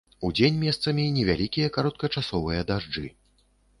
Удзень месцамі невялікія кароткачасовыя дажджы.